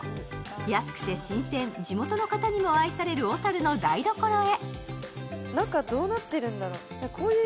安くて新鮮、地元の方にも愛される小樽の台所へ。